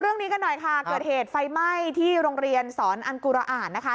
เรื่องนี้กันหน่อยค่ะเกิดเหตุไฟไหม้ที่โรงเรียนสอนอันกุระอ่านนะคะ